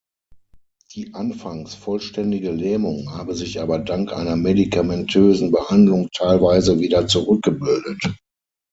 Die anfangs vollständige Lähmung habe sich aber dank einer medikamentösen Behandlung teilweise wieder zurückgebildet.